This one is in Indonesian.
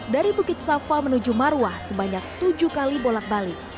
dari bukit safa menuju marwah sebanyak tujuh kali bolak balik